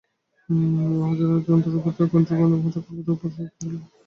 উহা যেন যন্ত্রমধ্যস্থ গতিনিয়ামক চক্ররূপে অপর শক্তিগুলি চালাইতেছে।